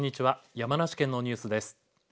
山梨県のニュースです。